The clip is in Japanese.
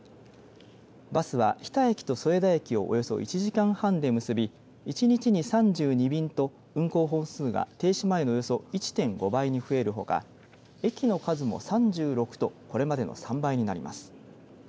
バスは日田駅と添田駅をおよそ１時間半で結び１日に３２便と運行本数が停止前のおよそ１．５倍に増えるほか駅の数も３６とこれまでの３倍になります。